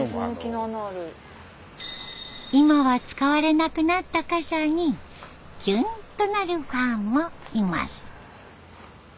今は使われなくなった貨車にキュンとなるファンもいます。